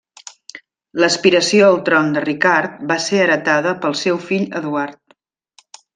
L'aspiració al tron de Ricard va ser heretada pel seu fill Eduard.